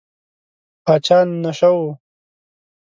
پاچا نشه و.